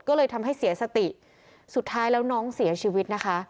ก็เลยทำให้เสียสติสุดท้ายแล้วน้องเสียชีวิตนะคะ